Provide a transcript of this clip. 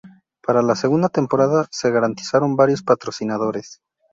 Para la segunda temporada, se garantizaron varios patrocinadores.